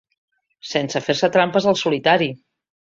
Sense fer-se trampes al solitari.